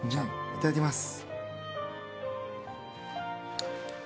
いただきます。